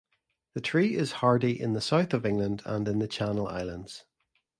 The tree is hardy in the south of England and in the Channel Islands.